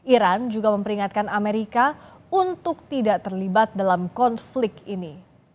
iran juga memperingatkan amerika untuk tidak terlibat dalam konflik ini